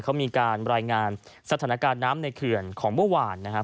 เขามีการรายงานสถานการณ์น้ำในเขื่อนของเมื่อวานนะครับ